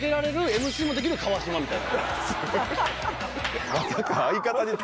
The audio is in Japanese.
ＭＣもできる川島みたいな。